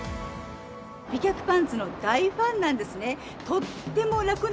美脚パンツの大ファンなんですね。